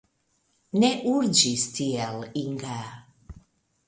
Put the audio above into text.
Ne urĝis tiel, Inga!